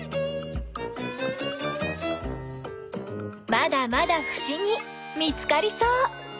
まだまだふしぎ見つかりそう。